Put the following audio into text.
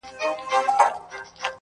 o تور باڼۀ وروځې او زلفې خال او زخه ,